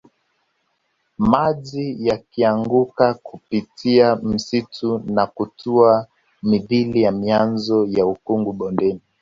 Maji yakianguka kupitia msituni na kutua mithili ya mianzo ya ukungu bondeni